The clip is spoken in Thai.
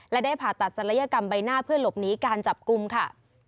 และได้ผ่าตัดศัลยกรรมใบหน้าเพื่อหลบหนีการจับกลุ่มค่ะ